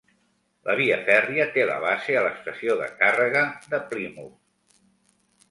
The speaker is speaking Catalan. La via fèrria té la base a l'estació de càrrega de Plymouth.